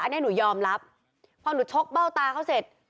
อันนี้หนูยอมรับพอหนูชกเบ้าตาเขาเสร็จ